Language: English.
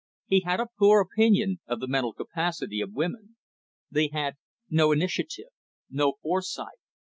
He had a poor opinion of the mental capacity of women. They had no initiative, no foresight.